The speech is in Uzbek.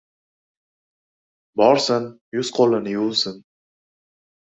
Borsin, yuz-qo‘lini yuvsin.